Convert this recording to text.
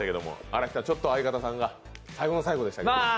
荒木さん、相方さんが最後の最後でしたけど。